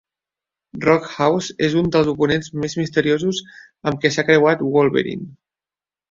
Roughouse és un dels oponents més misteriosos amb què s'ha creuat Wolverine.